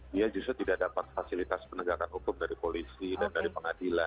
dia justru tidak dapat fasilitas penegakan hukum dari polisi dan dari pengadilan